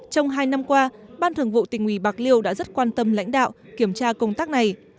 trong hai năm qua ban thường vụ tỉnh ủy bạc liêu đã rất quan tâm lãnh đạo kiểm tra công tác này